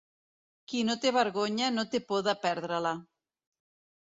Qui no té vergonya, no té por de perdre-la.